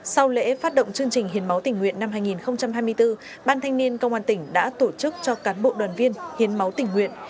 sau lễ phát động chương trình hiến máu tỉnh nguyện năm hai nghìn hai mươi bốn ban thanh niên công an tỉnh đã tổ chức cho cán bộ đoàn viên hiến máu tỉnh nguyện